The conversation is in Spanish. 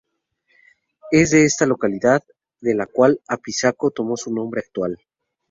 Es de esta localidad de la cual Apizaco tomó su nombre actual.